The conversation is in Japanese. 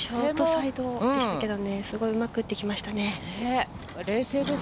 サイドでしたけどね、すごいうまく打ってきましたね。